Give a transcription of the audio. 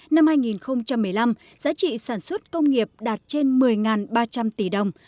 năm hai nghìn một mươi năm giá trị sản xuất công nghiệp đạt trên một mươi ba trăm linh tỷ đồng